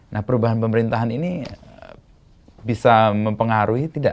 nah perubahan pemerintahan ini bisa mempengaruhi tidak